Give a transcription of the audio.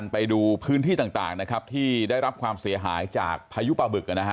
ไปดูพื้นที่ต่างนะครับที่ได้รับความเสียหายจากพายุปลาบึกนะฮะ